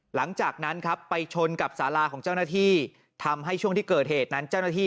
หลังจากนั้นครับไปชนกับสาราของเจ้าหน้าที่ทำให้ช่วงที่เกิดเหตุนั้นเจ้าหน้าที่